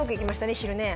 昼ね。